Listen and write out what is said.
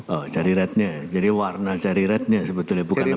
oh cari rednya jadi warna cari rednya sebetulnya bukan apa